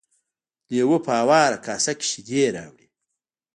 لیوه په هواره کاسه کې شیدې راوړې.